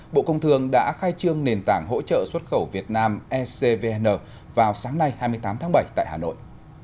bộ công thương đã khai trương nền tảng hỗ trợ xuất khẩu việt nam ecvn vào sáng nay hai mươi tám tháng bảy tại hà nội